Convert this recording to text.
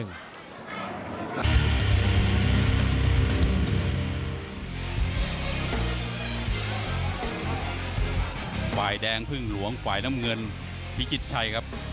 ฝ่ายแดงพึ่งหลวงฝ่ายน้ำเงินพิจิตชัยครับ